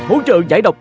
hỗ trợ giải độc